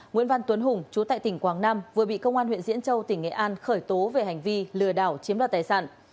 nguyễn văn tuấn hùng chú tại tỉnh quảng nam vừa bị công an huyện diễn châu tỉnh nghệ an khởi tố về hành vi lừa đảo chiếm đoạt tài sản